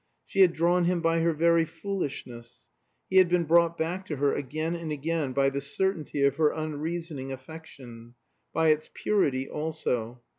She had drawn him by her very foolishness. He had been brought back to her, again and again, by the certainty of her unreasoning affection. By its purity also.